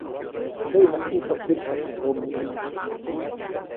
Teʼyinaʼajk ʼijtojkätpa teʼ ŋgomiʼuneʼ.